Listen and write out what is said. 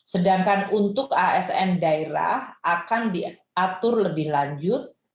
sedangkan untuk asn daerah akan diatur lebih lanjut